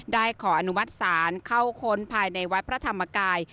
ขออนุมัติศาลเข้าค้นภายในวัดพระธรรมกาย